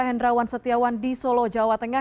hendrawan setiawan di solo jawa tengah